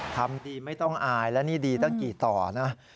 ทำดีไม่ต้องอายแล้วนี่ดีตั้งกี่ต่อนะ